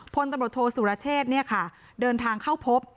พลตำรวจโทษสุรเชษเดินทางเข้าพบ